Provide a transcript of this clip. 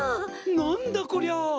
なんだこりゃ！？